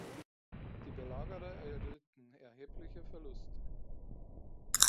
Die Belagerer erlitten erhebliche Verluste.